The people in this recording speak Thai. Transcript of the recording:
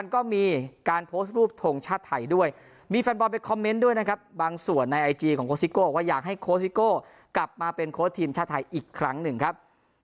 ก็มีการโพสต์รูปทงชาติไทยด้วยมีแฟนบอลไปคอมเมนต์ด้วยนะครับบางส่วนในไอจีของโคสิโก้บอกว่าอยากให้โค้ซิโก้กลับมาเป็นโค้ชทีมชาติไทยอีกครั้งหนึ่งครับ